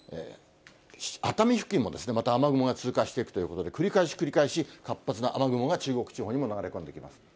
熱海付近も、また雨雲が通過していくということで、繰り返し繰り返し、活発な雨雲が中国地方にも流れ込んできます。